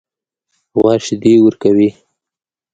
غوا شیدې ورکوي.